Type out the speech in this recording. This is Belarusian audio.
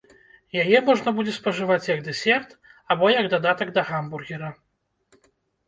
Яе можна будзе спажываць як дэсерт або як дадатак да гамбургера.